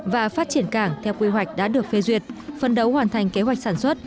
và phát triển cảng theo quy hoạch đã được phê duyệt phân đấu hoàn thành kế hoạch sản xuất